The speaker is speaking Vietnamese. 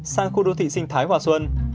sang khu đô thị sinh thái hòa xuân